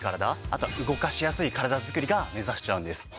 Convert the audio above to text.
あとは動かしやすい体作りが目指せちゃうんです。